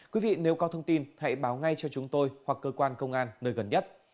quý vị nếu có thông tin hãy báo ngay cho chúng tôi hoặc cơ quan công an nơi gần nhất